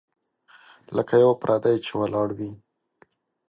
لکه یو پردی چي ولاړ وي .